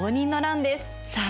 さあ